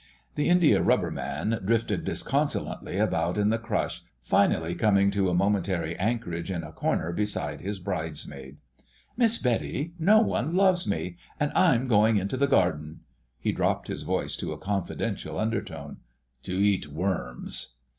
The Indiarubber Man drifted disconsolately about in the crush, finally coming to a momentary anchorage in a corner beside his Bridesmaid. "Miss Betty, no one loves me, and I'm going into the garden"—he dropped his voice to a confidential undertone—"to eat worms."